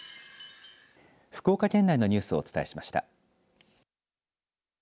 福岡県内のニュースをお伝えしました。